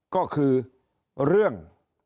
ก็คือเรื่อง